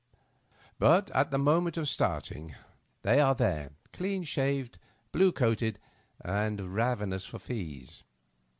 But, at the moment of starting, they are there, deauHshaved, blue coated, and ravenous for fees.